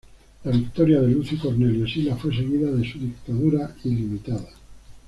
La victoria de Lucio Cornelio Sila fue seguida de su dictadura ilimitada.